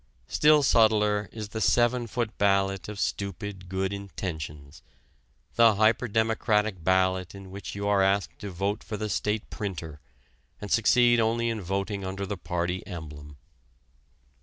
Still subtler is the seven foot ballot of stupid, good intentions the hyperdemocratic ballot in which you are asked to vote for the State Printer, and succeed only in voting under the party emblem.